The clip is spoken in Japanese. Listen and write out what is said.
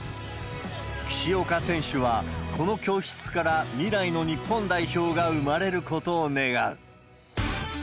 岸岡選手は、この教室から未来の日本代表が生まれることを願う。